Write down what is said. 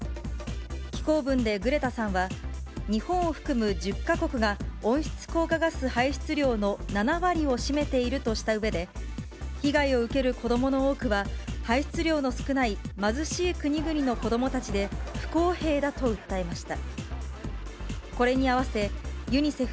寄稿文でグレタさんは、日本を含む１０か国が、温室効果ガス排出量の７割を占めているとしたうえで、被害を受ける子どもの多くは、排出量の少ない貧しい国々の子どもたちで、不公平だと訴えました。